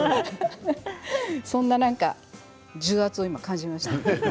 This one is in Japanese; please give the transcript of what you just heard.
そんな重圧を感じました。